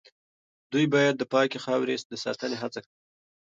دوی باید د پاکې خاورې د ساتنې هڅه کړې وای.